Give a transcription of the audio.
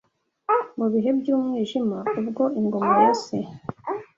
mu bihe by’umwijima ubwo ingoma ya se